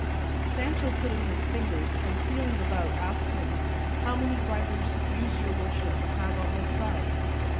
Sancho put in his fingers, and feeling about asked him, "How many grinders used your worship have on this side?"